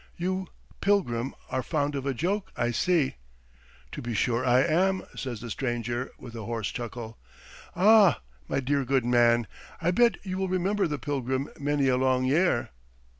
You, pilgrim, are fond of a joke I see. ..." "To be sure I am," says the stranger, with a hoarse chuckle. "Ah, my dear good man, I bet you will remember the pilgrim many a long year!"